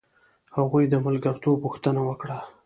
هغوی د ملګرتوب غوښتنه وکړه.